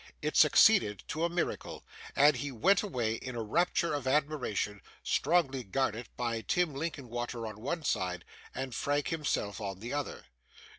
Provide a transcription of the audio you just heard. It succeeded to a miracle; and he went away in a rapture of admiration, strongly guarded by Tim Linkinwater on one side, and Frank himself on the other.